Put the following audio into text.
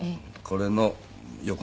これの横。